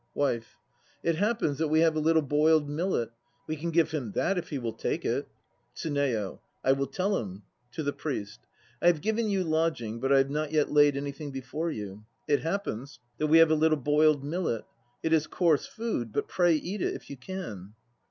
WIFE. It happens that we have a little boiled millet; * we can give him that if he will take it. TSUNEYO. I will tell him. (To the PRIEST.) I have given you lodging, 1m I I have not yet laid anything before you. It happens that we have a little boiled millet. It is coarse food, but pray eat it if you can.